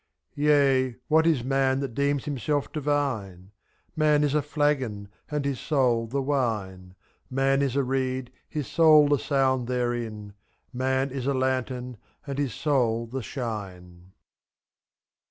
Yea! what is man that deems himself divine? Man is a flagon, and his soul the wine; ^3. Man is a reed, his soul the sound therein; Man is a lantern, and his soul the shine.